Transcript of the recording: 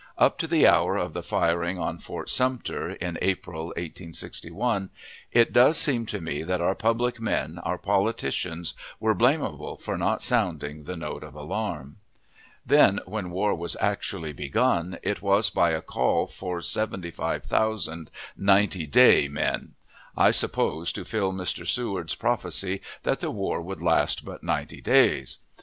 Up to the hour of the firing on Fort Sumter, in April, 1861, it does seem to me that our public men, our politicians, were blamable for not sounding the note of alarm. Then, when war was actually begun, it was by a call for seventy five thousand "ninety day" men, I suppose to fulfill Mr. Seward's prophecy that the war would last but ninety days.